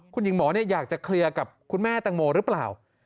คุณหญิงหมออยากจะเคลียร์กับคุณแม่ตังโมหรือเปล่า